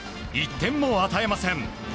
１点も与えません。